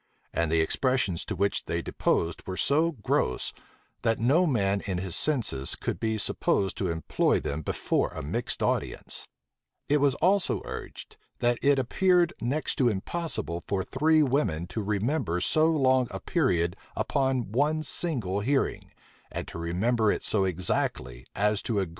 And the expressions to which they deposed were so gross, that no man in his senses could be supposed to employ them before a mixed audience. It was also urged, that it appeared next to impossible for three women to remember so long a period upon one single hearing, and to remember it so exactly, as to agree to a tittle in their depositions with regard to it.